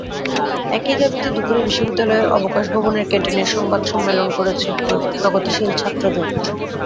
একই দাবিতে দুপুরে বিশ্ববিদ্যালয়ের অবকাশ ভবনের ক্যানটিনে সংবাদ সম্মেলন করেছে প্রগতিশীল ছাত্রজোট।